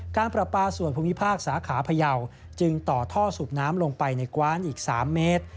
การประปาส่วนภูมิภาคสาขาพยาวจึงต่อท่อสูบน้ำลงไปในกว้านอีก๓เมตร